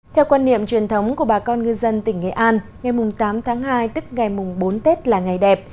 theo quan niệm truyền thống của bà con ngư dân tỉnh nghệ an ngày tám tháng hai tức ngày bốn tết là ngày đẹp